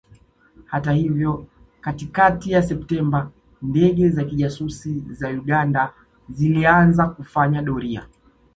Hata hivyo katikakati ya Septemba ndege za kijasusi za Uganda zikaanza kufanya doria